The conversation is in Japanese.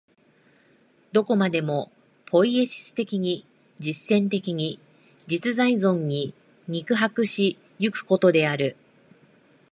どこまでもポイエシス的に、実践的に、真実在に肉迫し行くことである。